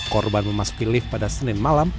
korban memasuki lift pada senin malam